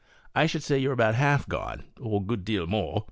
I should say you're about half gone or a good deal more."